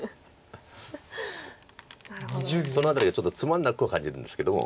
その辺りがちょっとつまんなくは感じるんですけども。